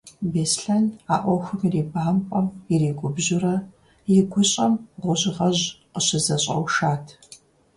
Беслъэн а ӏуэхум ирибампӀэм, иригубжьурэ, и гущӀэм гужьгъэжь къыщызэщӀэушат.